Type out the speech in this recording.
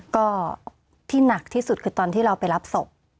ก็ที่หนักที่สุดคือตอนที่เราไปรับศพ